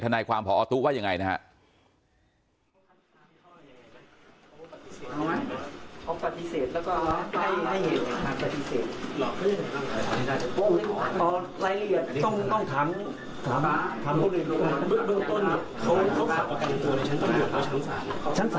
นายความพอตู้ว่ายังไงนะครับ